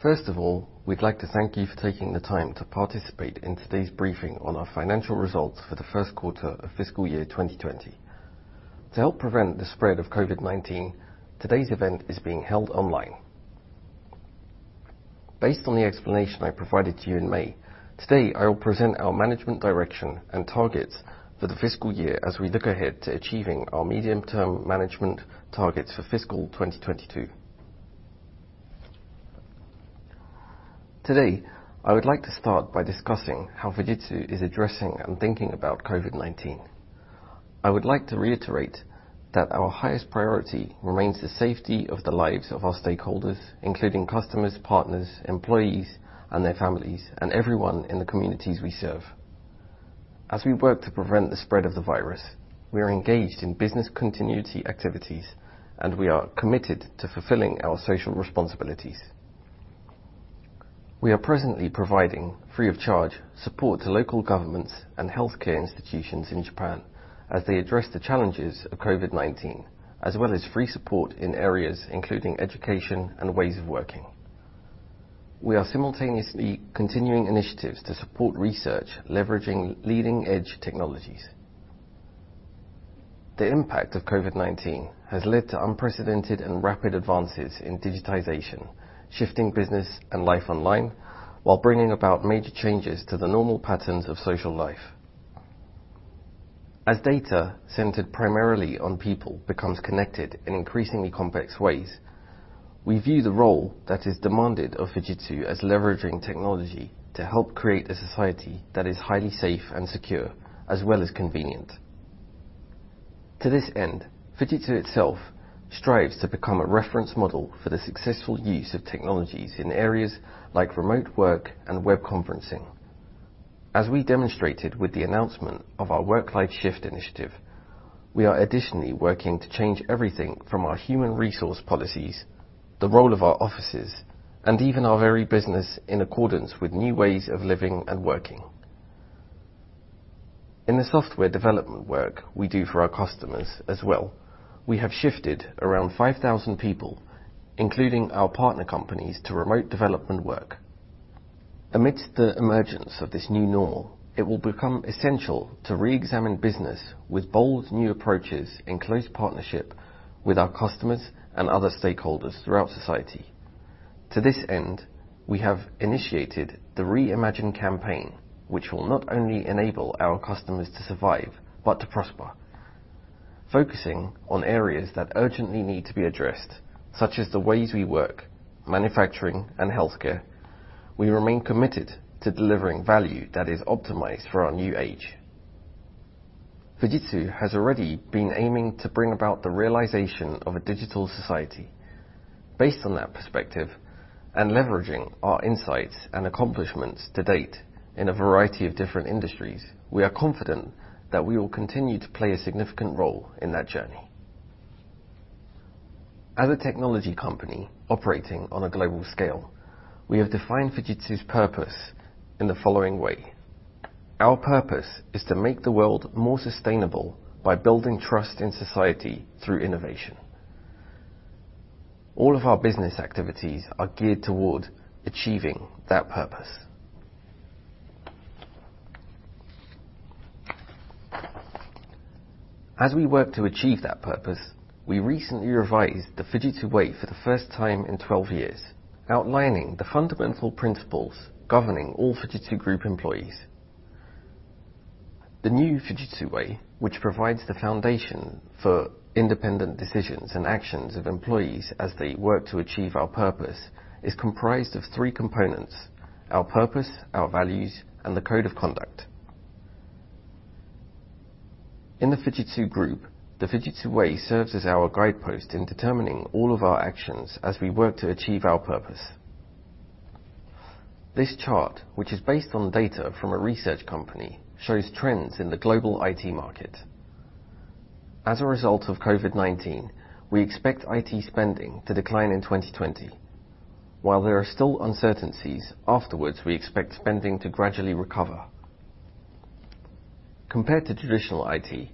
First of all, we'd like to thank you for taking the time to participate in today's briefing on our financial results for the first quarter of fiscal year 2020. To help prevent the spread of COVID-19, today's event is being held online. Based on the explanation I provided to you in May, today I will present our management direction and targets for the fiscal year as we look ahead to achieving our medium-term management targets for fiscal 2022. Today, I would like to start by discussing how Fujitsu is addressing and thinking about COVID-19. I would like to reiterate that our highest priority remains the safety of the lives of our stakeholders, including customers, partners, employees and their families, and everyone in the communities we serve. As we work to prevent the spread of the virus, we are engaged in business continuity activities. We are committed to fulfilling our social responsibilities. We are presently providing free of charge support to local governments and healthcare institutions in Japan as they address the challenges of COVID-19, as well as free support in areas including education and ways of working. We are simultaneously continuing initiatives to support research leveraging leading-edge technologies. The impact of COVID-19 has led to unprecedented and rapid advances in digitization, shifting business and life online, while bringing about major changes to the normal patterns of social life. As data centered primarily on people becomes connected in increasingly complex ways, we view the role that is demanded of Fujitsu as leveraging technology to help create a society that is highly safe and secure, as well as convenient. To this end, Fujitsu itself strives to become a reference model for the successful use of technologies in areas like remote work and web conferencing. As we demonstrated with the announcement of our Work Life Shift initiative, we are additionally working to change everything from our human resource policies, the role of our offices, and even our very business in accordance with new ways of living and working. In the software development work we do for our customers as well, we have shifted around 5,000 people, including our partner companies, to remote development work. Amidst the emergence of this new normal, it will become essential to reexamine business with bold new approaches in close partnership with our customers and other stakeholders throughout society. To this end, we have initiated the Reimagine campaign, which will not only enable our customers to survive, but to prosper. Focusing on areas that urgently need to be addressed, such as the ways we work, manufacturing and healthcare, we remain committed to delivering value that is optimized for our new age. Fujitsu has already been aiming to bring about the realization of a digital society. Based on that perspective and leveraging our insights and accomplishments to date in a variety of different industries, we are confident that we will continue to play a significant role in that journey. As a technology company operating on a global scale, we have defined Fujitsu's purpose in the following way. Our purpose is to make the world more sustainable by building trust in society through innovation. All of our business activities are geared toward achieving that purpose. As we work to achieve that purpose, we recently revised the Fujitsu Way for the first time in 12 years, outlining the fundamental principles governing all Fujitsu Group employees. The new Fujitsu Way, which provides the foundation for independent decisions and actions of employees as they work to achieve our purpose, is comprised of three components: our purpose, our values, and the code of conduct. In the Fujitsu Group, the Fujitsu Way serves as our guidepost in determining all of our actions as we work to achieve our purpose. This chart, which is based on data from a research company, shows trends in the global IT market. As a result of COVID-19, we expect IT spending to decline in 2020. While there are still uncertainties, afterwards, we expect spending to gradually recover. Compared to traditional IT,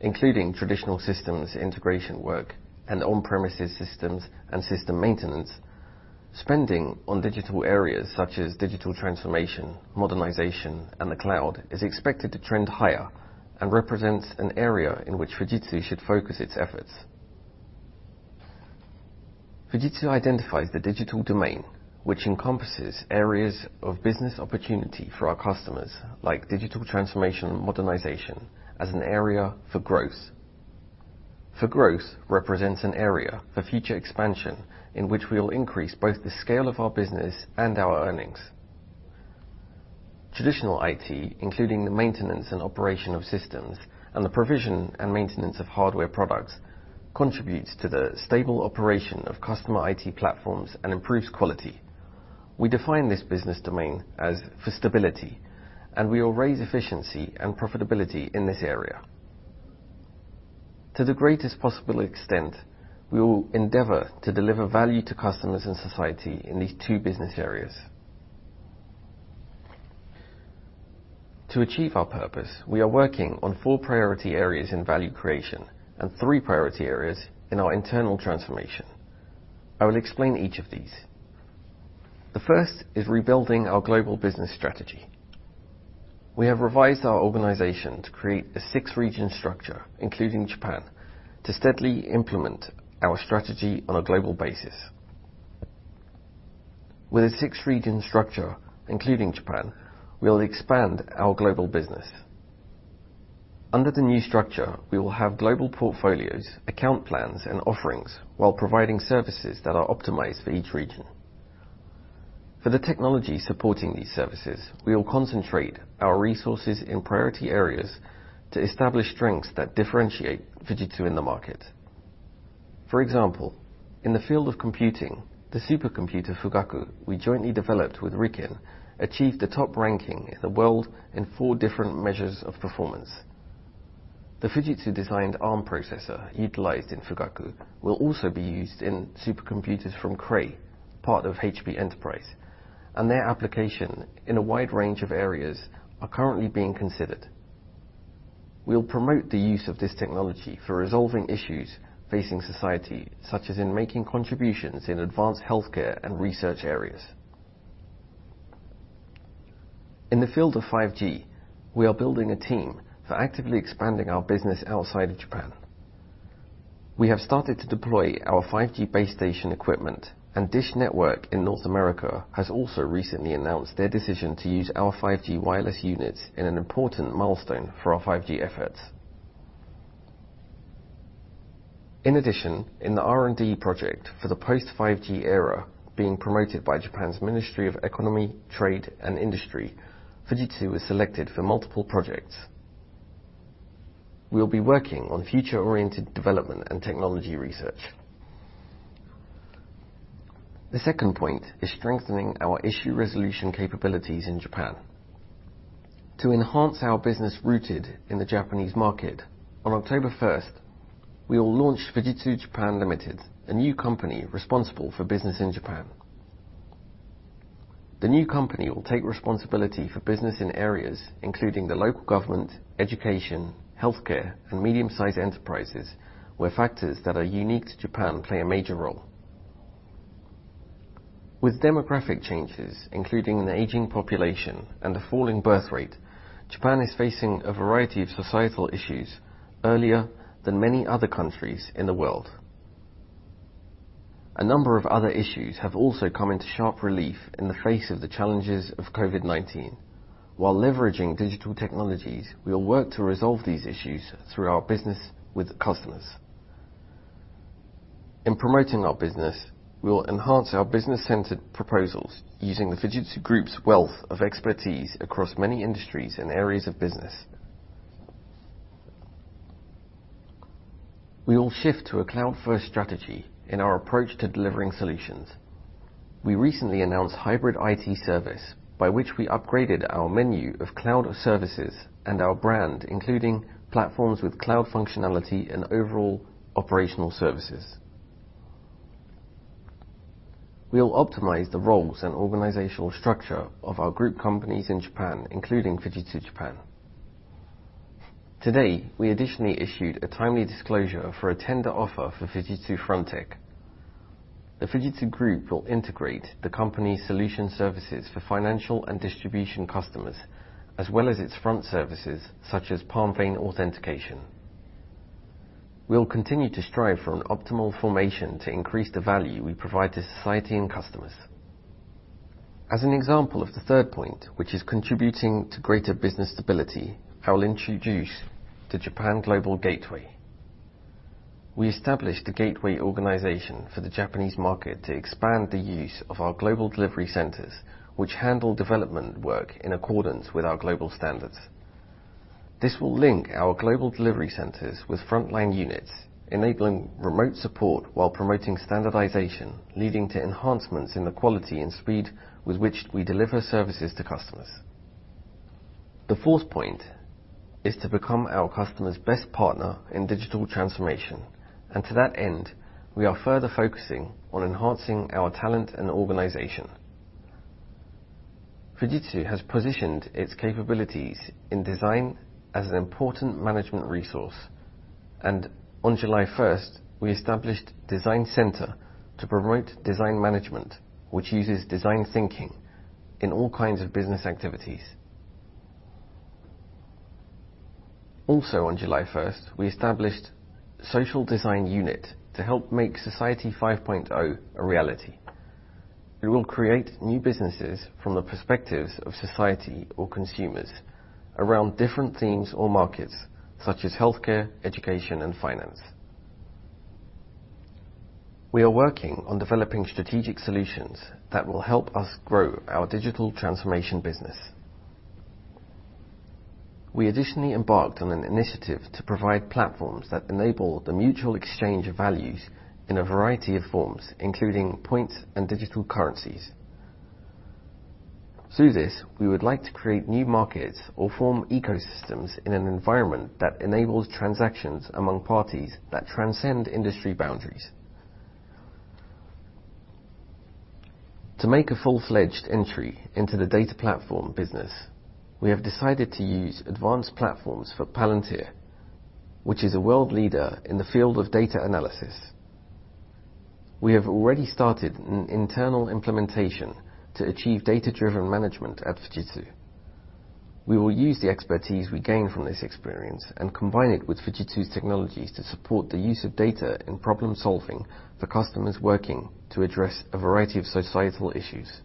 including traditional systems integration work and on-premises systems and system maintenance, spending on digital areas such as digital transformation, modernization, and the cloud is expected to trend higher and represents an area in which Fujitsu should focus its efforts. Fujitsu identifies the digital domain, which encompasses areas of business opportunity for our customers, like digital transformation and modernization, as an area for growth. For Growth represents an area for future expansion in which we'll increase both the scale of our business and our earnings. Traditional IT, including the maintenance and operation of systems and the provision and maintenance of hardware products, contributes to the stable operation of customer IT platforms and improves quality. We define this business domain as For Stability, and we will raise efficiency and profitability in this area. To the greatest possible extent, we will endeavor to deliver value to customers and society in these two business areas. To achieve our purpose, we are working on four priority areas in value creation and three priority areas in our internal transformation. I will explain each of these. The first is rebuilding our global business strategy. We have revised our organization to create a six-region structure, including Japan, to steadily implement our strategy on a global basis. With a six-region structure, including Japan, we'll expand our global business. Under the new structure, we will have global portfolios, account plans, and offerings while providing services that are optimized for each region. For the technology supporting these services, we will concentrate our resources in priority areas to establish strengths that differentiate Fujitsu in the market. For example, in the field of computing, the supercomputer Fugaku, we jointly developed with RIKEN, achieved the top ranking in the world in four different measures of performance. The Fujitsu-designed Arm processor utilized in Fugaku will also be used in supercomputers from Cray, part of Hewlett Packard Enterprise, and their application in a wide range of areas are currently being considered. We'll promote the use of this technology for resolving issues facing society, such as in making contributions in advanced healthcare and research areas. In the field of 5G, we are building a team for actively expanding our business outside of Japan. We have started to deploy our 5G base station equipment, and DISH Network in North America has also recently announced their decision to use our 5G wireless units in an important milestone for our 5G efforts. R&D project for the post 5G era being promoted by Japan's Ministry of Economy, Trade and Industry, Fujitsu was selected for multiple projects. We'll be working on future-oriented development and technology research. The second point is strengthening our issue resolution capabilities in Japan. To enhance our business rooted in the Japanese market, on October 1st, we will launch Fujitsu Japan Limited, a new company responsible for business in Japan. The new company will take responsibility for business in areas including the local government, education, healthcare and medium-sized enterprises, where factors that are unique to Japan play a major role. With demographic changes, including an aging population and a falling birth rate, Japan is facing a variety of societal issues earlier than many other countries in the world. A number of other issues have also come into sharp relief in the face of the challenges of COVID-19. While leveraging digital technologies, we will work to resolve these issues through our business with customers. In promoting our business, we will enhance our business-centered proposals using the Fujitsu Group's wealth of expertise across many industries and areas of business. We will shift to a cloud first strategy in our approach to delivering solutions. We recently announced Hybrid IT Service by which we upgraded our menu of cloud services and our brand, including platforms with cloud functionality and overall operational services. We will optimize the roles and organizational structure of our group companies in Japan, including Fujitsu Japan. Today, we additionally issued a timely disclosure for a tender offer for Fujitsu Frontech. The Fujitsu Group will integrate the company's Solution Services for financial and distribution customers, as well as its front services such as palm vein authentication. We'll continue to strive for an optimal formation to increase the value we provide to society and customers. As an example of the third point, which is contributing to greater business stability, I will introduce the Japan Global Gateway. We established a gateway organization for the Japanese market to expand the use of our global delivery centers, which handle development work in accordance with our global standards. This will link our global delivery centers with frontline units, enabling remote support while promoting standardization, leading to enhancements in the quality and speed with which we deliver services to customers. The fourth point is to become our customer's best partner in digital transformation. To that end, we are further focusing on enhancing our talent and organization. Fujitsu has positioned its capabilities in design as an important management resource. On July 1st, we established Design Center to promote design management, which uses design thinking in all kinds of business activities. Also, on July 1st, we established Social Design Unit to help make Society 5.0 a reality. It will create new businesses from the perspectives of society or consumers around different themes or markets such as healthcare, education and finance. We are working on developing strategic solutions that will help us grow our digital transformation business. We additionally embarked on an initiative to provide platforms that enable the mutual exchange of values in a variety of forms, including points and digital currencies. Through this, we would like to create new markets or form ecosystems in an environment that enables transactions among parties that transcend industry boundaries. To make a full-fledged entry into the data platform business, we have decided to use advanced platforms for Palantir, which is a world leader in the field of data analysis. We have already started an internal implementation to achieve data-driven management at Fujitsu. We will use the expertise we gain from this experience and combine it with Fujitsu's technologies to support the use of data in problem-solving for customers working to address a variety of societal issues.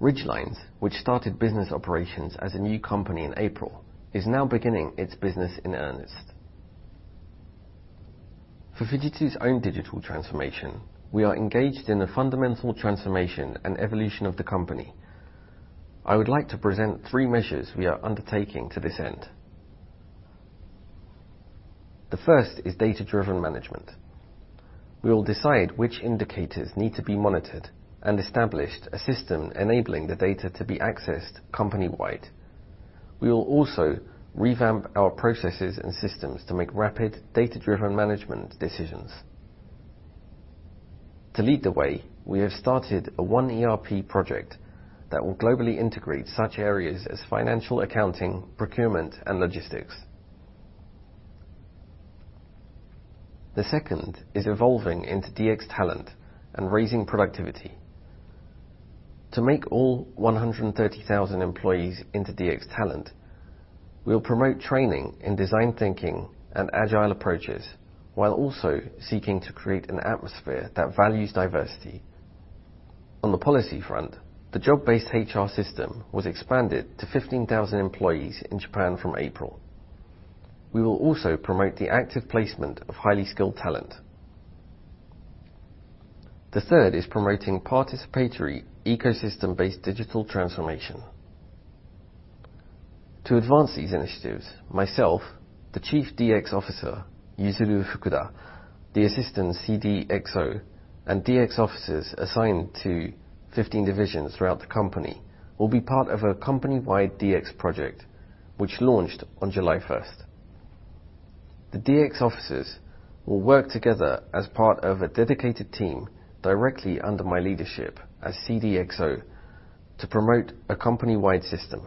Ridgelinez, which started business operations as a new company in April, is now beginning its business in earnest. For Fujitsu's own digital transformation, we are engaged in the fundamental transformation and evolution of the company. I would like to present three measures we are undertaking to this end. The first is data-driven management. We will decide which indicators need to be monitored and establish a system enabling the data to be accessed company-wide. We will also revamp our processes and systems to make rapid data-driven management decisions. To lead the way, we have started a One ERP project that will globally integrate such areas as financial accounting, procurement, and logistics. The second is evolving into DX talent and raising productivity. To make all 130,000 employees into DX talent, we will promote training in design thinking and agile approaches, while also seeking to create an atmosphere that values diversity. On the policy front, the job-based HR system was expanded to 15,000 employees in Japan from April. We will also promote the active placement of highly skilled talent. The third is promoting participatory ecosystem-based digital transformation. To advance these initiatives, myself, the Chief DX Officer, Yuzuru Fukuda, the Assistant CDXO, and DX officers assigned to 15 divisions throughout the company, will be part of a company-wide DX project, which launched on July 1st. The DX officers will work together as part of a dedicated team directly under my leadership as CDXO to promote a company-wide system.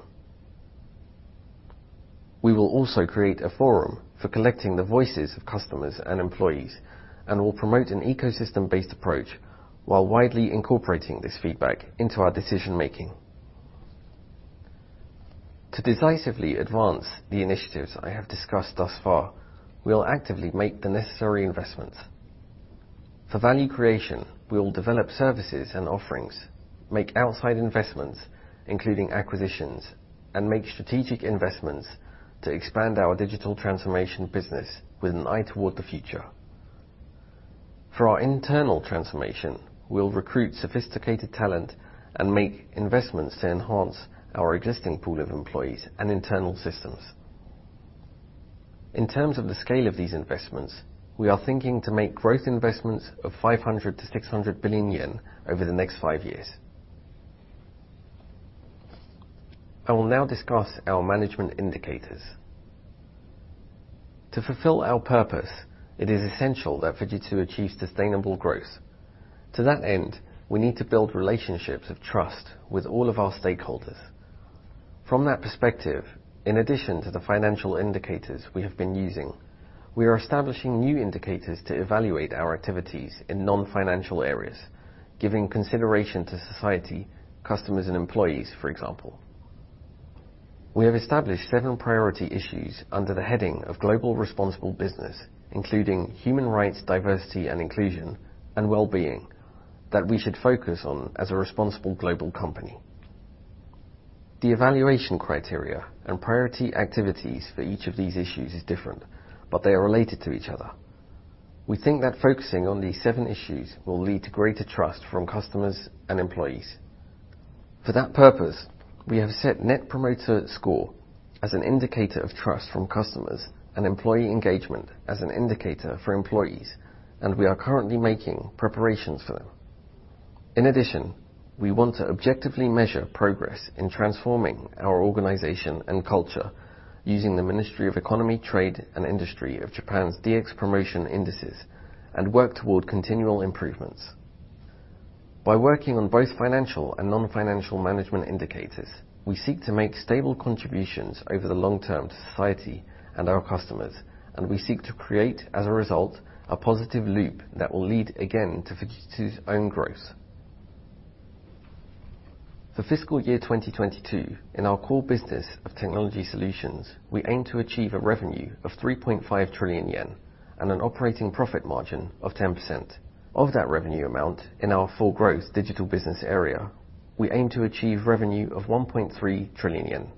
We will also create a forum for collecting the voices of customers and employees and will promote an ecosystem-based approach while widely incorporating this feedback into our decision-making. To decisively advance the initiatives I have discussed thus far, we will actively make the necessary investments. For value creation, we will develop services and offerings, make outside investments, including acquisitions, and make strategic investments to expand our digital transformation business with an eye toward the future. For our internal transformation, we will recruit sophisticated talent and make investments to enhance our existing pool of employees and internal systems. In terms of the scale of these investments, we are thinking to make growth investments of 500 billion to 600 billion yen over the next five years. I will now discuss our management indicators. To fulfill our purpose, it is essential that Fujitsu achieves sustainable growth. To that end, we need to build relationships of trust with all of our stakeholders. From that perspective, in addition to the financial indicators we have been using, we are establishing new indicators to evaluate our activities in non-financial areas, giving consideration to society, customers, and employees, for example. We have established seven priority issues under the heading of Global Responsible Business, including human rights, diversity and inclusion, and wellbeing, that we should focus on as a responsible global company. The evaluation criteria and priority activities for each of these issues is different, but they are related to each other. We think that focusing on these seven issues will lead to greater trust from customers and employees. For that purpose, we have set Net Promoter Score as an indicator of trust from customers, and employee engagement as an indicator for employees, and we are currently making preparations for them. In addition, we want to objectively measure progress in transforming our organization and culture using the Ministry of Economy, Trade and Industry of Japan's DX Promotion Indices and work toward continual improvements. By working on both financial and non-financial management indicators, we seek to make stable contributions over the long term to society and our customers, and we seek to create, as a result, a positive loop that will lead again to Fujitsu's own growth. For fiscal year 2022, in our core business of Technology Solutions, we aim to achieve a revenue of 3.5 trillion yen and an operating profit margin of 10%. Of that revenue amount, in our For Growth digital business area, we aim to achieve revenue of 1.3 trillion yen.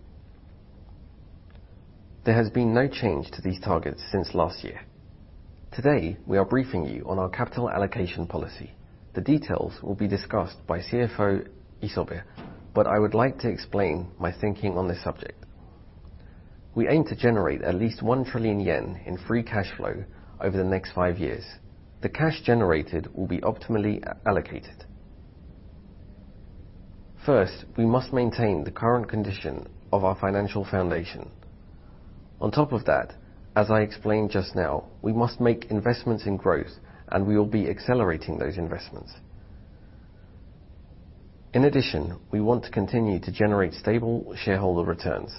There has been no change to these targets since last year. Today, we are briefing you on our capital allocation policy. The details will be discussed by CFO Isobe, but I would like to explain my thinking on this subject. We aim to generate at least 1 trillion yen in free cash flow over the next five years. The cash generated will be optimally allocated. First, we must maintain the current condition of our financial foundation. On top of that, as I explained just now, we must make investments in growth, and we will be accelerating those investments. In addition, we want to continue to generate stable shareholder returns.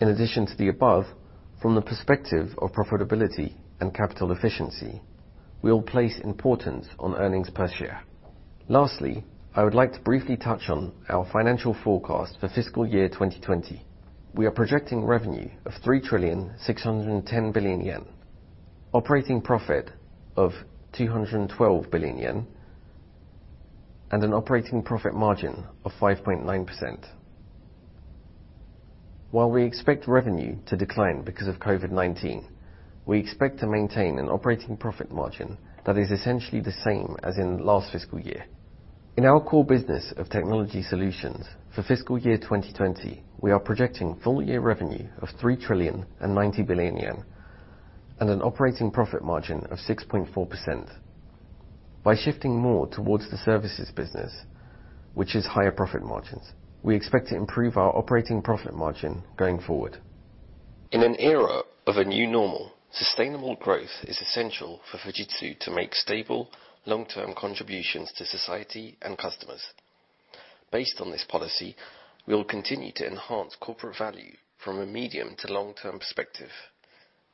In addition to the above, from the perspective of profitability and capital efficiency, we will place importance on earnings per share. Lastly, I would like to briefly touch on our financial forecast for fiscal year 2020. We are projecting revenue of 3,610 billion yen, operating profit of 212 billion yen, and an operating profit margin of 5.9%. While we expect revenue to decline because of COVID-19, we expect to maintain an operating profit margin that is essentially the same as in last fiscal year. In our core business of Technology Solutions for fiscal year 2020, we are projecting full year revenue of 3,090 billion yen, and an operating profit margin of 6.4%. By shifting more towards the services business, which is higher profit margins, we expect to improve our operating profit margin going forward. In an era of a new normal, sustainable growth is essential for Fujitsu to make stable, long-term contributions to society and customers. Based on this policy, we will continue to enhance corporate value from a medium to long-term perspective.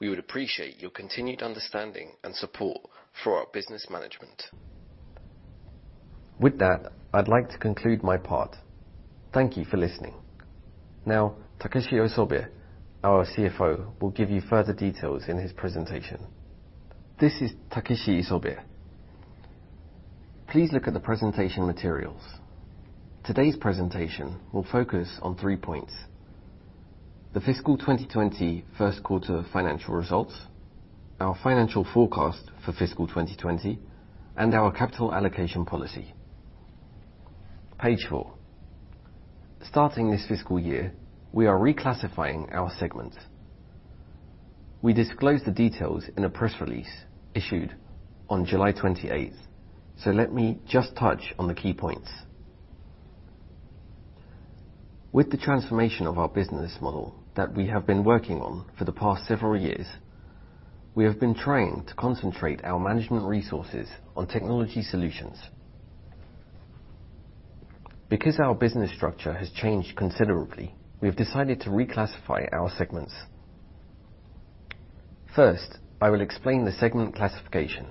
We would appreciate your continued understanding and support for our business management. With that, I'd like to conclude my part. Thank you for listening. Now, Takeshi Isobe, our CFO, will give you further details in his presentation. This is Takeshi Isobe. Please look at the presentation materials. Today's presentation will focus on three points: the fiscal 2020 first quarter financial results, our financial forecast for fiscal 2020, and our capital allocation policy. Page four. Starting this fiscal year, we are reclassifying our segments. We disclosed the details in a press release issued on July 28th. Let me just touch on the key points. With the transformation of our business model that we have been working on for the past several years, we have been trying to concentrate our management resources on Technology Solutions. Because our business structure has changed considerably, we have decided to reclassify our segments. First, I will explain the segment classification.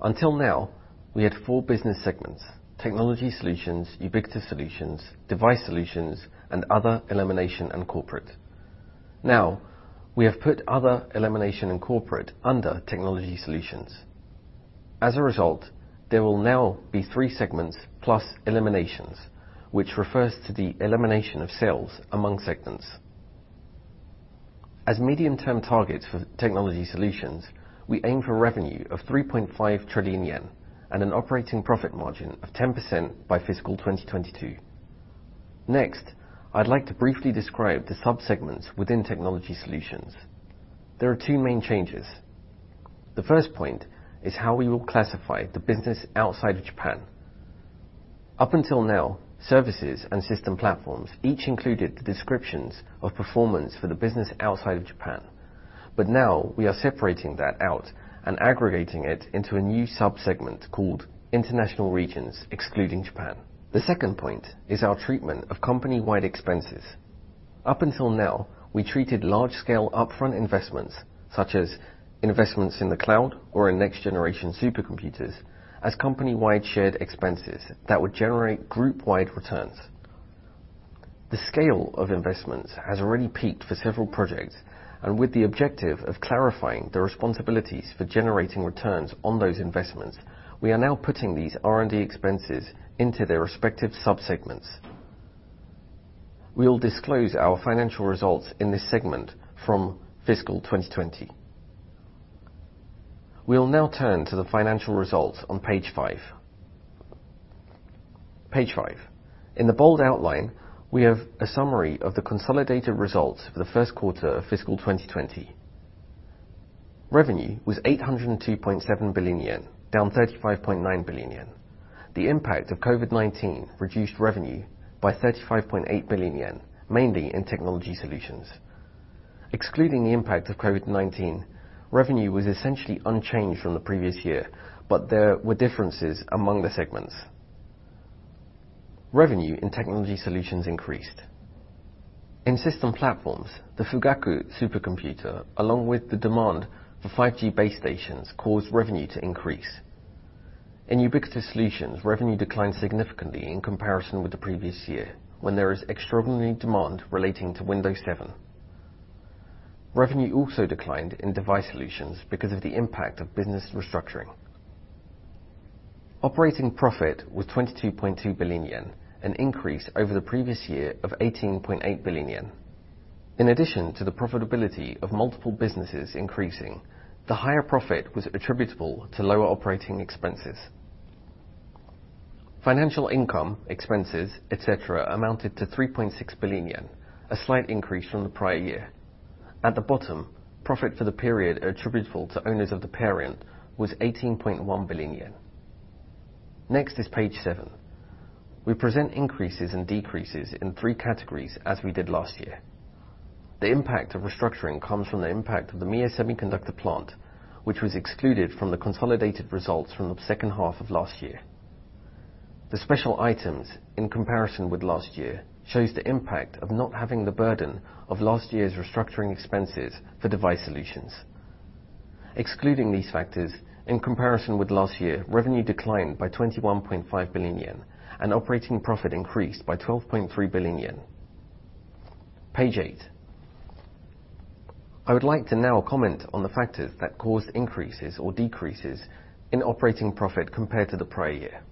Until now, we had four business segments: Technology Solutions, Ubiquitous Solutions, Device Solutions, and other elimination and corporate. Now, we have put other elimination and corporate under Technology Solutions. As a result, there will now be three segments plus eliminations, which refers to the elimination of sales among segments. As medium term targets for Technology Solutions, we aim for revenue of 3.5 trillion yen and an operating profit margin of 10% by fiscal 2022. Next, I'd like to briefly describe the sub-segments within Technology Solutions. There are two main changes. The first point is how we will classify the business outside of Japan. Up until now, Solution Services and System Platforms each included the descriptions of performance for the business outside of Japan. Now we are separating that out and aggregating it into a new sub-segment called International Regions, excluding Japan. The second point is our treatment of company-wide expenses. Up until now, we treated large scale upfront investments, such as investments in the cloud or in next generation supercomputers, as company-wide shared expenses that would generate group-wide returns. The scale of investments has already peaked for several projects, and with the objective of clarifying the responsibilities for generating returns on those investments, we are now putting these R&D expenses into their respective sub-segments. We will disclose our financial results in this segment from fiscal 2020. We will now turn to the financial results on page five. Page five. In the bold outline, we have a summary of the consolidated results for the first quarter of fiscal 2020. Revenue was 802.7 billion yen, down 35.9 billion yen. The impact of COVID-19 reduced revenue by 35.8 billion yen, mainly in Technology Solutions. Excluding the impact of COVID-19, revenue was essentially unchanged from the previous year, but there were differences among the segments. Revenue in Technology Solutions increased. In System Platforms, the Fugaku supercomputer, along with the demand for 5G base stations, caused revenue to increase. In Ubiquitous Solutions, revenue declined significantly in comparison with the previous year, when there is extraordinary demand relating to Windows 7. Revenue also declined in Device Solutions because of the impact of business restructuring. Operating profit was 22.2 billion yen, an increase over the previous year of 18.8 billion yen. In addition to the profitability of multiple businesses increasing, the higher profit was attributable to lower operating expenses. Financial income, expenses, et cetera, amounted to 3.6 billion yen, a slight increase from the prior year. At the bottom, profit for the period attributable to owners of the parent was 18.1 billion yen. Next is page seven. We present increases and decreases in three categories as we did last year. The impact of restructuring comes from the impact of the Mie Fujitsu Semiconductor plant, which was excluded from the consolidated results from the second half of last year. The special items in comparison with last year shows the impact of not having the burden of last year's restructuring expenses for Device Solutions. Excluding these factors, in comparison with last year, revenue declined by 21.5 billion yen and operating profit increased by 12.3 billion yen. Page eight. I would like to now comment on the factors that caused increases or decreases in operating profit compared to the prior year.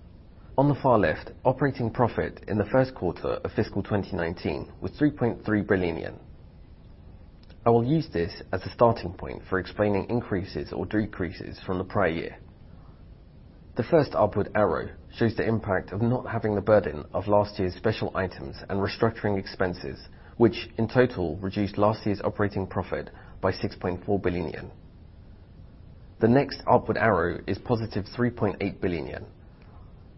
On the far left, operating profit in the first quarter of fiscal 2019 was 3.3 billion yen. I will use this as the starting point for explaining increases or decreases from the prior year. The first upward arrow shows the impact of not having the burden of last year's special items and restructuring expenses, which in total reduced last year's operating profit by 6.4 billion yen. The next upward arrow is positive 3.8 billion yen.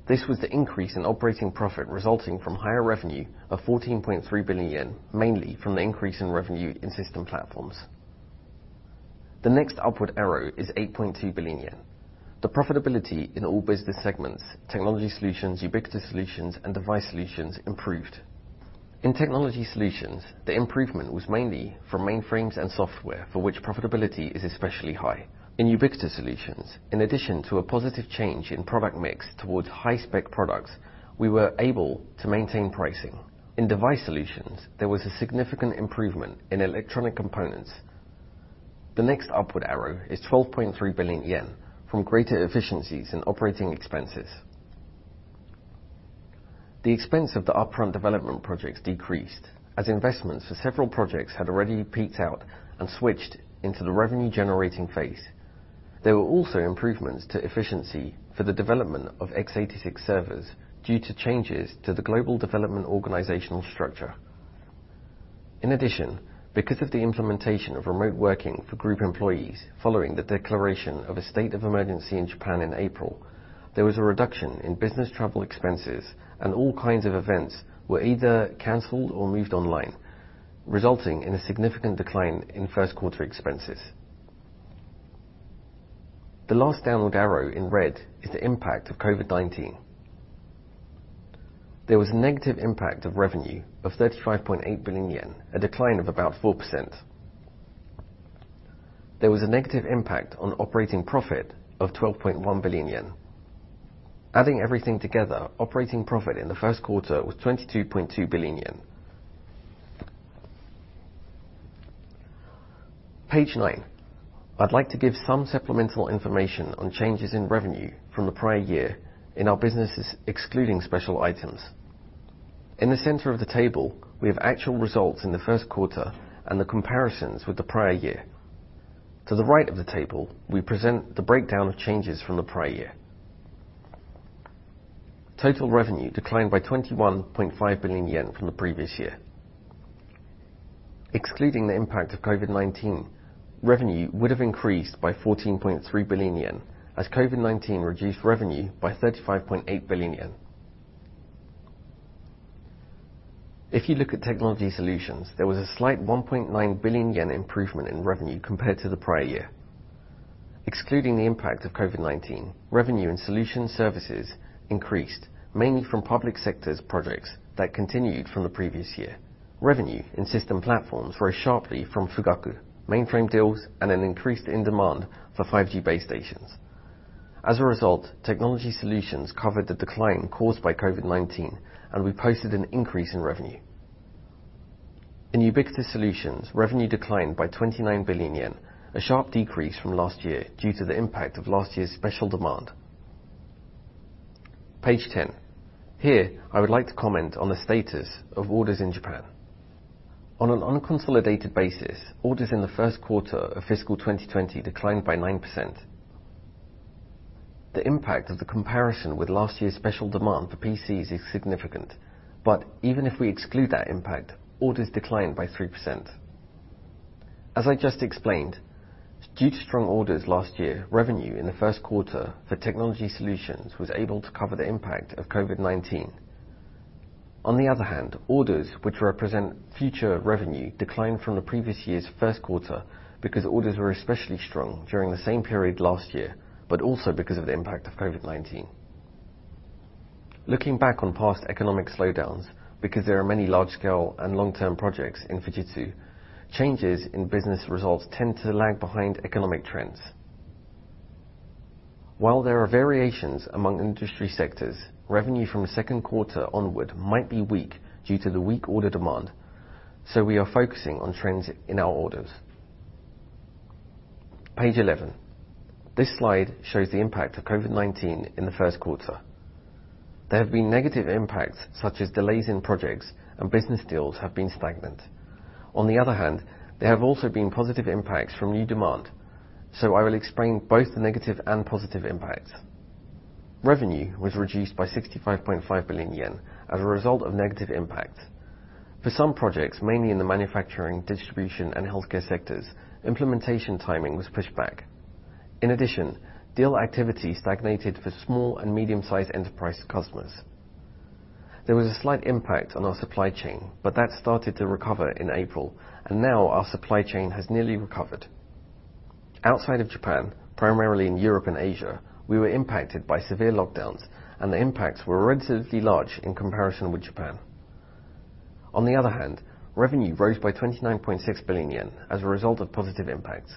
This was the increase in operating profit resulting from higher revenue of 14.3 billion yen, mainly from the increase in revenue in System Platforms. The next upward arrow is 8.2 billion yen. The profitability in all business segments, Technology Solutions, Ubiquitous Solutions, and Device Solutions improved. In Technology Solutions, the improvement was mainly from mainframes and software, for which profitability is especially high. In Ubiquitous Solutions, in addition to a positive change in product mix towards high spec products, we were able to maintain pricing. In Device Solutions, there was a significant improvement in electronic components. The next upward arrow is 12.3 billion yen from greater efficiencies in operating expenses. The expense of the upfront development projects decreased as investments for several projects had already peaked out and switched into the revenue-generating phase. There were also improvements to efficiency for the development of x86 servers due to changes to the global development organizational structure. In addition, because of the implementation of remote working for group employees following the declaration of a state of emergency in Japan in April, there was a reduction in business travel expenses and all kinds of events were either canceled or moved online, resulting in a significant decline in first quarter expenses. The last downward arrow in red is the impact of COVID-19. There was a negative impact of revenue of 35.8 billion yen, a decline of about 4%. There was a negative impact on operating profit of 12.1 billion yen. Adding everything together, operating profit in the first quarter was 22.2 billion yen. Page nine. I'd like to give some supplemental information on changes in revenue from the prior year in our businesses, excluding special items. In the center of the table, we have actual results in the first quarter and the comparisons with the prior year. To the right of the table, we present the breakdown of changes from the prior year. Total revenue declined by 21.5 billion yen from the previous year. Excluding the impact of COVID-19, revenue would have increased by 14.3 billion yen as COVID-19 reduced revenue by 35.8 billion yen. If you look at Technology Solutions, there was a slight 1.9 billion yen improvement in revenue compared to the prior year. Excluding the impact of COVID-19, revenue and Solution Services increased mainly from public sectors projects that continued from the previous year. Revenue in System Platforms rose sharply from Fugaku, mainframe deals, and an increase in demand for 5G base stations. As a result, Technology Solutions covered the decline caused by COVID-19, and we posted an increase in revenue. In Ubiquitous Solutions, revenue declined by 29 billion yen, a sharp decrease from last year due to the impact of last year's special demand. Page 10. Here, I would like to comment on the status of orders in Japan. On an unconsolidated basis, orders in the first quarter of FY 2020 declined by 9%. The impact of the comparison with last year's special demand for PCs is significant. Even if we exclude that impact, orders declined by 3%. As I just explained, due to strong orders last year, revenue in the first quarter for Technology Solutions was able to cover the impact of COVID-19. On the other hand, orders which represent future revenue declined from the previous year's first quarter because orders were especially strong during the same period last year, but also because of the impact of COVID-19. Looking back on past economic slowdowns, because there are many large scale and long-term projects in Fujitsu, changes in business results tend to lag behind economic trends. While there are variations among industry sectors, revenue from the second quarter onward might be weak due to the weak order demand, so we are focusing on trends in our orders. Page 11. This slide shows the impact of COVID-19 in the first quarter. There have been negative impacts, such as delays in projects and business deals have been stagnant. On the other hand, there have also been positive impacts from new demand. So I will explain both the negative and positive impacts. Revenue was reduced by 65.5 billion yen as a result of negative impacts. For some projects, mainly in the manufacturing, distribution, and healthcare sectors, implementation timing was pushed back. In addition, deal activity stagnated for small and medium-sized enterprise customers. There was a slight impact on our supply chain, but that started to recover in April, and now our supply chain has nearly recovered. Outside of Japan, primarily in Europe and Asia, we were impacted by severe lockdowns, and the impacts were relatively large in comparison with Japan. On the other hand, revenue rose by 29.6 billion yen as a result of positive impacts.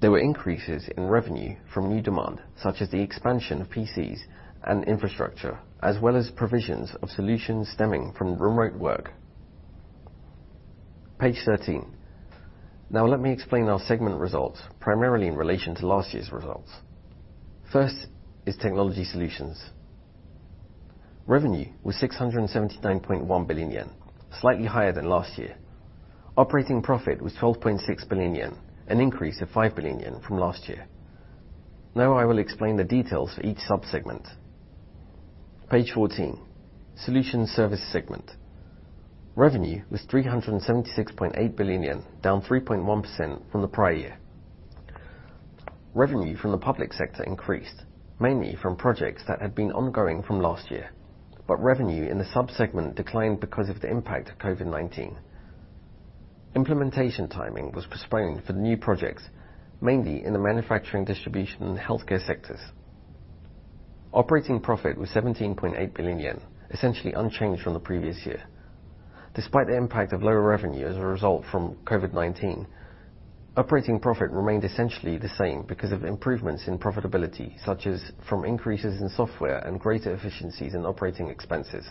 There were increases in revenue from new demand, such as the expansion of PCs and infrastructure, as well as provisions of solutions stemming from remote work. Page 13. Now let me explain our segment results, primarily in relation to last year's results. First is Technology Solutions. Revenue was 679.1 billion yen, slightly higher than last year. Operating profit was 12.6 billion yen, an increase of 5 billion yen from last year. Now I will explain the details for each sub-segment. Page 14. Solution Services segment. Revenue was 376.8 billion yen, down 3.1% from the prior year. Revenue from the public sector increased, mainly from projects that had been ongoing from last year, but revenue in the sub-segment declined because of the impact of COVID-19. Implementation timing was postponed for the new projects, mainly in the manufacturing, distribution, and healthcare sectors. Operating profit was 17.8 billion yen, essentially unchanged from the previous year. Despite the impact of lower revenue as a result from COVID-19, operating profit remained essentially the same because of improvements in profitability, such as from increases in software and greater efficiencies in operating expenses.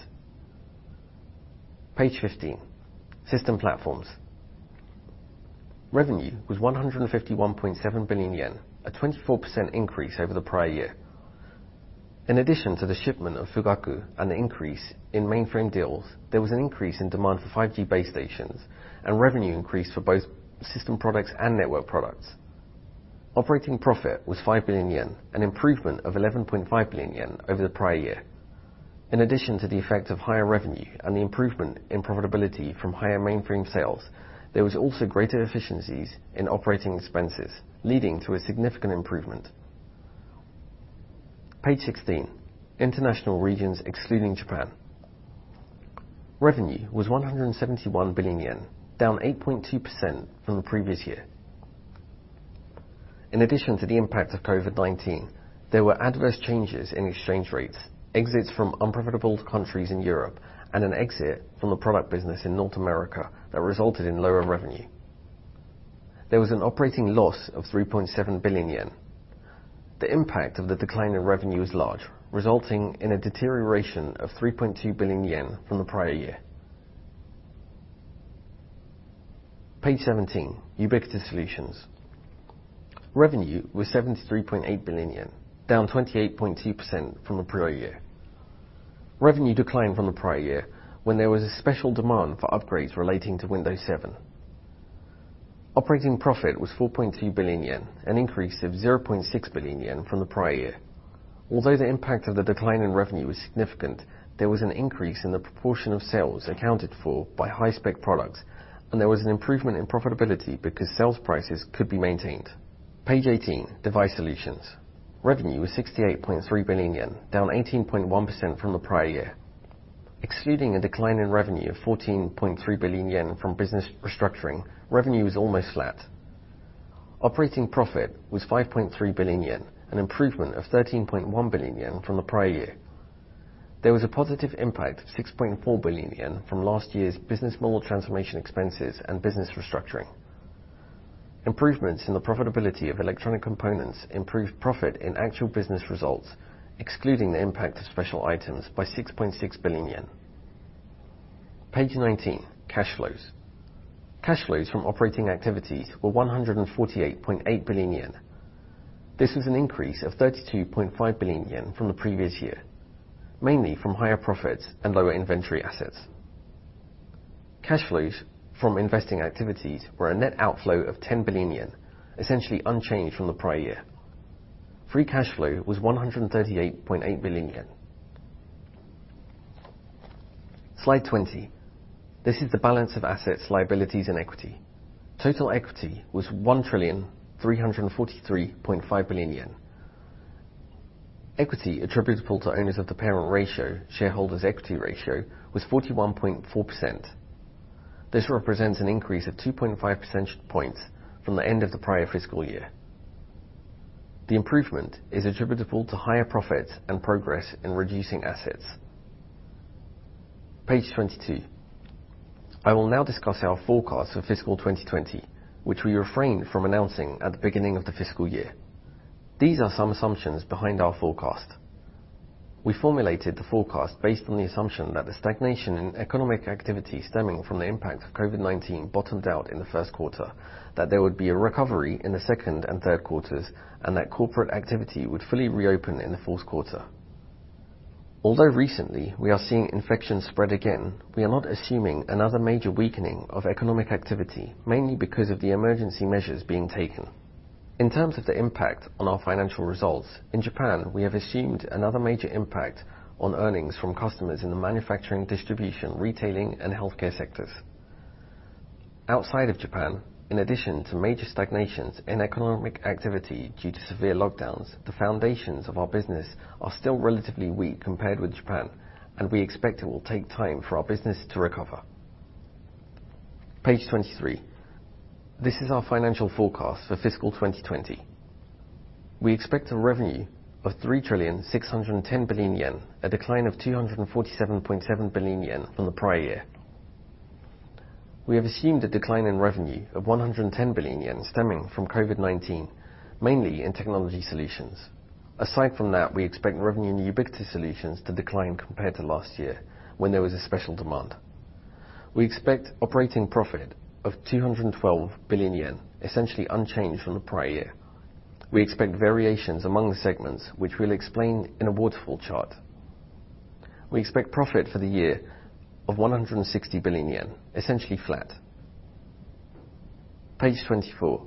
Page 15. System Platforms. Revenue was 151.7 billion yen, a 24% increase over the prior year. In addition to the shipment of Fugaku and the increase in mainframe deals, there was an increase in demand for 5G base stations, and revenue increased for both system products and network products. Operating profit was 5 billion yen, an improvement of 11.5 billion yen over the prior year. In addition to the effect of higher revenue and the improvement in profitability from higher mainframe sales, there was also greater efficiencies in operating expenses, leading to a significant improvement. Page 16. International Regions excluding Japan. Revenue was 171 billion yen, down 8.2% from the previous year. In addition to the impact of COVID-19, there were adverse changes in exchange rates, exits from unprofitable countries in Europe, and an exit from the product business in North America that resulted in lower revenue. There was an operating loss of 3.7 billion yen. The impact of the decline in revenue is large, resulting in a deterioration of 3.2 billion yen from the prior year. Page 17. Ubiquitous Solutions. Revenue was 73.8 billion yen, down 28.2% from the prior year. Revenue declined from the prior year, when there was a special demand for upgrades relating to Windows 7. Operating profit was 4.2 billion yen, an increase of 0.6 billion yen from the prior year. Although the impact of the decline in revenue was significant, there was an increase in the proportion of sales accounted for by high-spec products, and there was an improvement in profitability because sales prices could be maintained. Page 18. Device Solutions. Revenue was 68.3 billion yen, down 18.1% from the prior year. Excluding a decline in revenue of 14.3 billion yen from business restructuring, revenue was almost flat. Operating profit was 5.3 billion yen, an improvement of 13.1 billion yen from the prior year. There was a positive impact of 6.4 billion yen from last year's business model transformation expenses and business restructuring. Improvements in the profitability of electronic components improved profit in actual business results, excluding the impact of special items, by 6.6 billion yen. Page 19. Cash flows. Cash flows from operating activities were 148.8 billion yen. This was an increase of 32.5 billion yen from the previous year, mainly from higher profits and lower inventory assets. Cash flows from investing activities were a net outflow of 10 billion yen, essentially unchanged from the prior year. Free cash flow was 138.8 billion yen. Slide 20. This is the balance of assets, liabilities, and equity. Total equity was 1,343.5 billion yen. Equity attributable to owners of the parent ratio, shareholders' equity ratio, was 41.4%. This represents an increase of 2.5 percentage points from the end of the prior fiscal year. The improvement is attributable to higher profits and progress in reducing assets. Page 22. I will now discuss our forecast for fiscal 2020, which we refrained from announcing at the beginning of the fiscal year. These are some assumptions behind our forecast. We formulated the forecast based on the assumption that the stagnation in economic activity stemming from the impact of COVID-19 bottomed out in the first quarter, that there would be a recovery in the second and third quarters, and that corporate activity would fully reopen in the fourth quarter. Although recently we are seeing infections spread again, we are not assuming another major weakening of economic activity, mainly because of the emergency measures being taken. In terms of the impact on our financial results, in Japan, we have assumed another major impact on earnings from customers in the manufacturing, distribution, retailing, and healthcare sectors. Outside of Japan, in addition to major stagnations in economic activity due to severe lockdowns, the foundations of our business are still relatively weak compared with Japan. We expect it will take time for our business to recover. Page 23. This is our financial forecast for fiscal 2020. We expect a revenue of 3,610 billion yen, a decline of 247.7 billion yen from the prior year. We have assumed a decline in revenue of 110 billion yen stemming from COVID-19, mainly in Technology Solutions. Aside from that, we expect revenue in Ubiquitous Solutions to decline compared to last year when there was a special demand. We expect operating profit of 212 billion yen, essentially unchanged from the prior year. We expect variations among the segments, which we'll explain in a waterfall chart. We expect profit for the year of 160 billion yen, essentially flat. Page 24.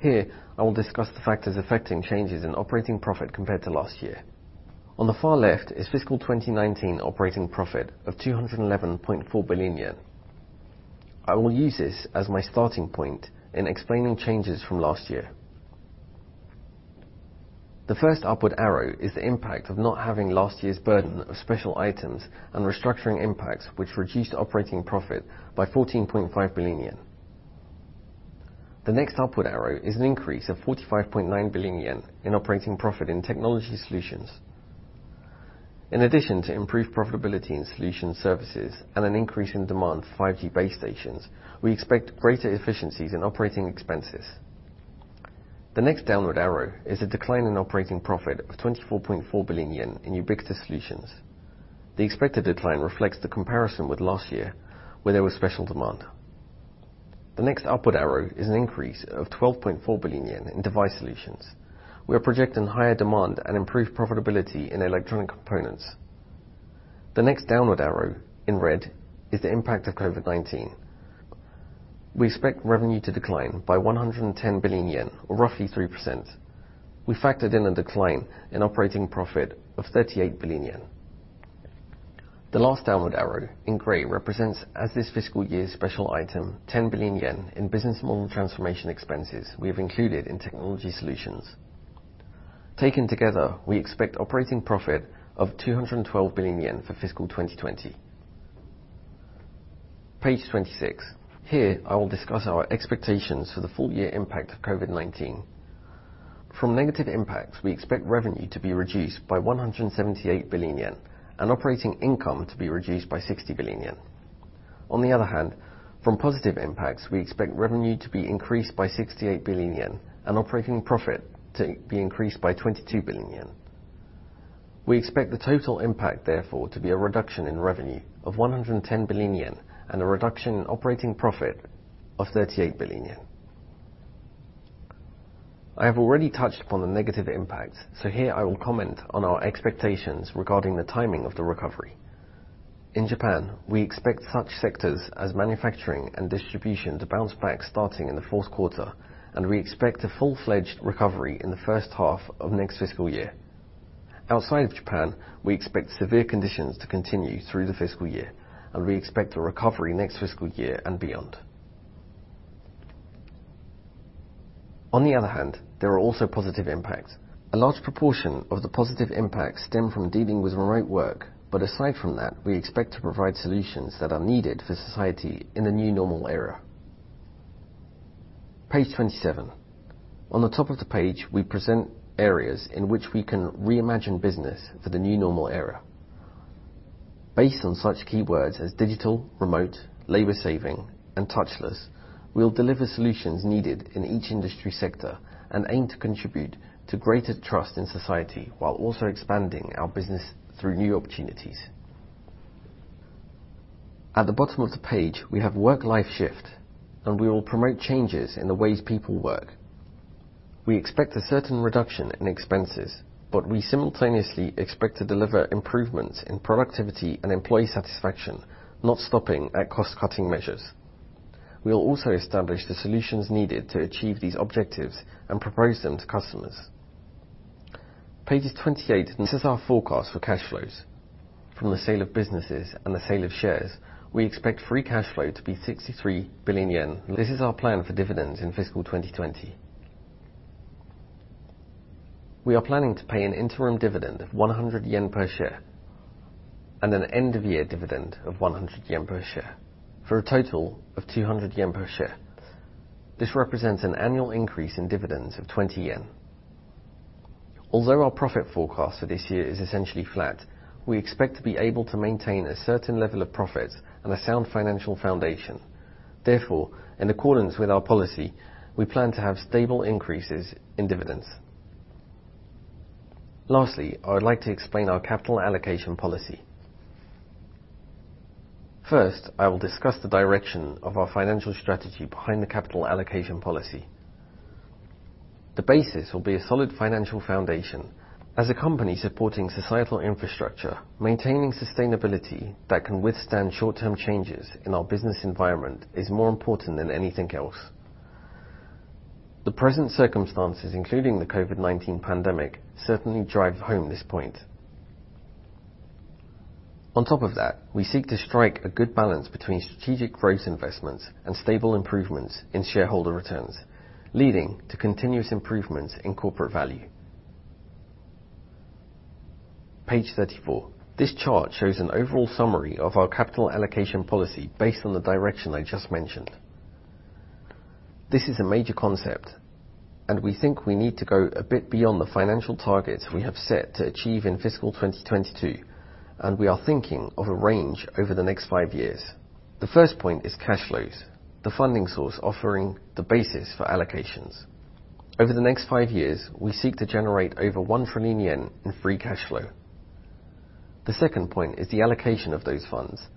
Here, I will discuss the factors affecting changes in operating profit compared to last year. On the far left is fiscal 2019 operating profit of 211.4 billion yen. I will use this as my starting point in explaining changes from last year. The first upward arrow is the impact of not having last year's burden of special items and restructuring impacts, which reduced operating profit by 14.5 billion yen. The next upward arrow is an increase of 45.9 billion yen in operating profit in Technology Solutions. In addition to improved profitability in Solution Services and an increase in demand for 5G base stations, we expect greater efficiencies in operating expenses. The next downward arrow is a decline in operating profit of 24.4 billion yen in Ubiquitous Solutions. The expected decline reflects the comparison with last year, where there was special demand. The next upward arrow is an increase of 12.4 billion yen in Device Solutions. We are projecting higher demand and improved profitability in electronic components. The next downward arrow, in red, is the impact of COVID-19. We expect revenue to decline by 110 billion yen or roughly 3%. We factored in a decline in operating profit of 38 billion yen. The last downward arrow, in gray, represents as this fiscal year's special item, 10 billion yen in business model transformation expenses we have included in Technology Solutions. Taken together, we expect operating profit of 212 billion yen for fiscal 2020. Page 26. Here, I will discuss our expectations for the full year impact of COVID-19. From negative impacts, we expect revenue to be reduced by 178 billion yen and operating income to be reduced by 60 billion yen. On the other hand, from positive impacts, we expect revenue to be increased by 68 billion yen and operating profit to be increased by 22 billion yen. We expect the total impact, therefore, to be a reduction in revenue of 110 billion yen and a reduction in operating profit of 38 billion yen. I have already touched upon the negative impacts, so here I will comment on our expectations regarding the timing of the recovery. In Japan, we expect such sectors as manufacturing and distribution to bounce back starting in the fourth quarter. We expect a full-fledged recovery in the first half of next fiscal year. Outside of Japan, we expect severe conditions to continue through the fiscal year. We expect a recovery next fiscal year and beyond. On the other hand, there are also positive impacts. A large proportion of the positive impacts stem from dealing with remote work, but aside from that, we expect to provide solutions that are needed for society in the new normal era. Page 27. On the top of the page, we present areas in which we can Reimagine business for the new normal era. Based on such keywords as digital, remote, labor saving, and touchless, we'll deliver solutions needed in each industry sector and aim to contribute to greater trust in society while also expanding our business through new opportunities. At the bottom of the page, we have Work Life Shift, we will promote changes in the ways people work. We expect a certain reduction in expenses, we simultaneously expect to deliver improvements in productivity and employee satisfaction, not stopping at cost-cutting measures. We will also establish the solutions needed to achieve these objectives and propose them to customers. Page 28. This is our forecast for cash flows. From the sale of businesses and the sale of shares, we expect free cash flow to be 63 billion yen. This is our plan for dividends in fiscal 2020. We are planning to pay an interim dividend of 100 yen per share and an end-of-year dividend of 100 yen per share for a total of 200 yen per share. This represents an annual increase in dividends of 20 yen. Although our profit forecast for this year is essentially flat, we expect to be able to maintain a certain level of profits and a sound financial foundation. Therefore, in accordance with our policy, we plan to have stable increases in dividends. Lastly, I would like to explain our capital allocation policy. First, I will discuss the direction of our financial strategy behind the capital allocation policy. The basis will be a solid financial foundation. As a company supporting societal infrastructure, maintaining sustainability that can withstand short-term changes in our business environment is more important than anything else. The present circumstances, including the COVID-19 pandemic, certainly drive home this point. On top of that, we seek to strike a good balance between strategic growth investments and stable improvements in shareholder returns, leading to continuous improvements in corporate value. Page 34. This chart shows an overall summary of our capital allocation policy based on the direction I just mentioned. This is a major concept, we think we need to go a bit beyond the financial targets we have set to achieve in fiscal 2022, we are thinking of a range over the next five years. The first point is cash flows, the funding source offering the basis for allocations. Over the next five years, we seek to generate over 1 trillion yen in free cash flow. The second point is the allocation of those funds.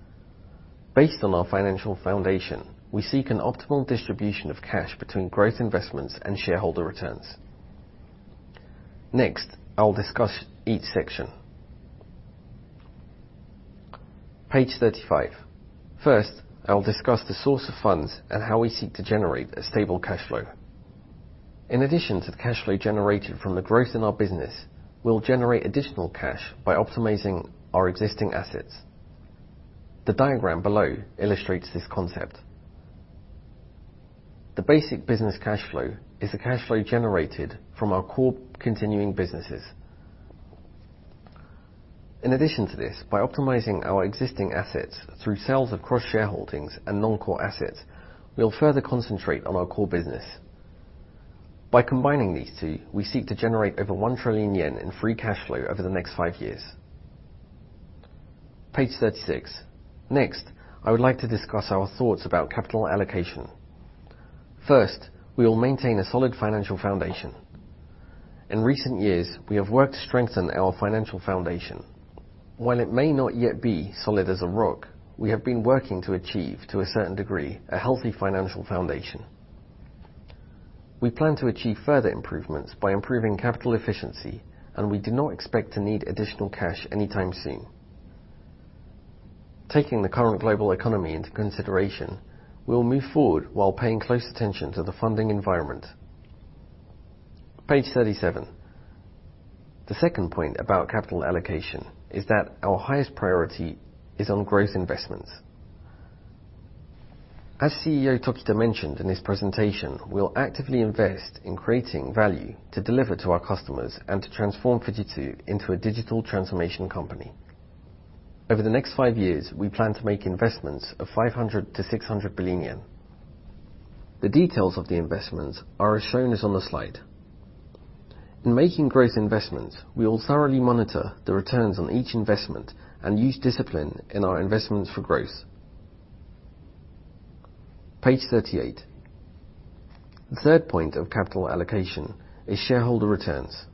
Based on our financial foundation, we seek an optimal distribution of cash between growth investments and shareholder returns. Next, I'll discuss each section. Page 35. First, I'll discuss the source of funds and how we seek to generate a stable cash flow. In addition to the cash flow generated from the growth in our business, we'll generate additional cash by optimizing our existing assets. The diagram below illustrates this concept. The basic business cash flow is the cash flow generated from our core continuing businesses. In addition to this, by optimizing our existing assets through sales of cross-shareholdings and non-core assets, we'll further concentrate on our core business. By combining these two, we seek to generate over 1 trillion yen in free cash flow over the next five years. Page 36. I would like to discuss our thoughts about capital allocation. First, we will maintain a solid financial foundation. In recent years, we have worked to strengthen our financial foundation. While it may not yet be solid as a rock, we have been working to achieve to a certain degree a healthy financial foundation. We plan to achieve further improvements by improving capital efficiency, and we do not expect to need additional cash anytime soon. Taking the current global economy into consideration, we will move forward while paying close attention to the funding environment. Page 37. The second point about capital allocation is that our highest priority is on growth investments. As CEO Tokita mentioned in his presentation, we will actively invest in creating value to deliver to our customers and to transform Fujitsu into a digital transformation company. Over the next five years, we plan to make investments of 500 billion-600 billion yen. The details of the investments are as shown on the slide. In making growth investments, we will thoroughly monitor the returns on each investment and use discipline in our investments for growth. Page 38. The third point of capital allocation is shareholder returns.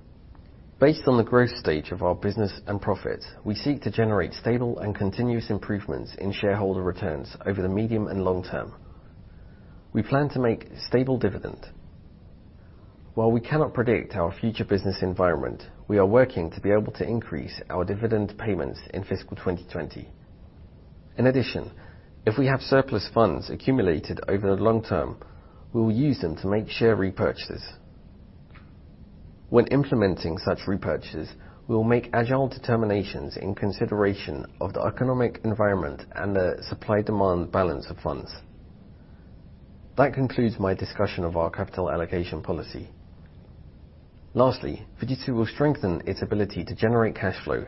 Based on the growth stage of our business and profits, we seek to generate stable and continuous improvements in shareholder returns over the medium and long term. We plan to make stable dividend. While we cannot predict our future business environment, we are working to be able to increase our dividend payments in fiscal 2020. If we have surplus funds accumulated over the long term, we will use them to make share repurchases. When implementing such repurchases, we will make agile determinations in consideration of the economic environment and the supply-demand balance of funds. That concludes my discussion of our capital allocation policy. Fujitsu will strengthen its ability to generate cash flow,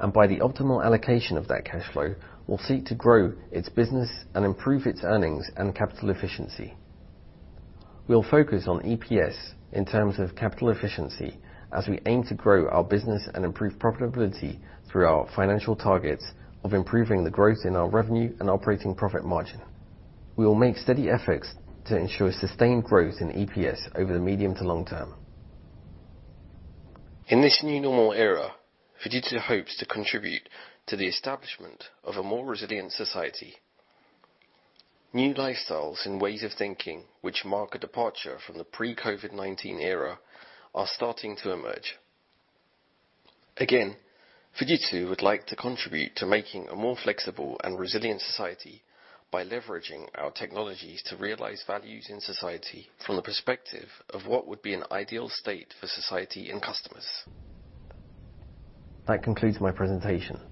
and by the optimal allocation of that cash flow, will seek to grow its business and improve its earnings and capital efficiency. We will focus on EPS in terms of capital efficiency as we aim to grow our business and improve profitability through our financial targets of improving the growth in our revenue and operating profit margin. We will make steady efforts to ensure sustained growth in EPS over the medium to long term. In this new normal era, Fujitsu hopes to contribute to the establishment of a more resilient society. New lifestyles and ways of thinking which mark a departure from the pre-COVID-19 era are starting to emerge. Fujitsu would like to contribute to making a more flexible and resilient society by leveraging our technologies to realize values in society from the perspective of what would be an ideal state for society and customers. That concludes my presentation.